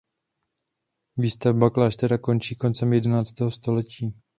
Výstavba kláštera končí koncem jedenáctého století.